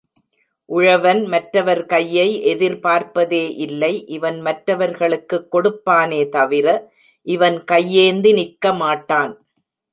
உழவன் மற்றவர் கையை எதிர்பார்ப்பதே இல்லை இவன் மற்றவர்களுக்குக் கொடுப்பானே தவிர, இவன் கையேந்தி நிற்கமாட்டான்.